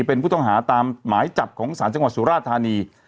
เป็นผู้ต้องหาตามหมายจับของศาลจังหวัดสุราธานี